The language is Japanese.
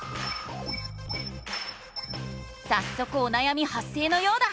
さっそくおなやみはっ生のようだ。